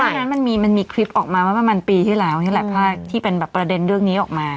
เพราะฉะนั้นมันมีคลิปออกมาเมื่อประมาณปีที่แล้วนี่แหละภาพที่เป็นแบบประเด็นเรื่องนี้ออกมา